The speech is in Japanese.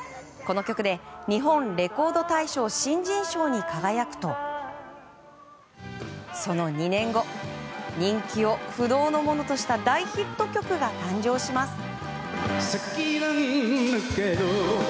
この曲で日本レコード大賞新人賞に輝くとその２年後人気を不動のものとした大ヒット曲が誕生します。